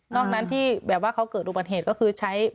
นั้นที่แบบว่าเขาเกิดอุบัติเหตุก็คือใช้